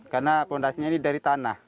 karena fondasinya ini dari tanah